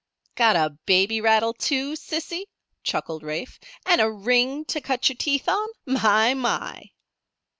"Got a baby rattle, too, Sissy?" chuckled Rafe. "And a ring to cut your teeth on? My, my!"